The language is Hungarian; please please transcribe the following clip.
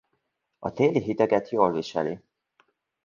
A téli hideget jól viseli.